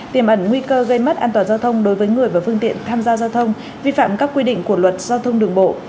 tiềm ẩn nguy cơ gây mất an toàn giao thông đối với người và phương tiện tham gia giao thông vi phạm các quy định của luật giao thông đường bộ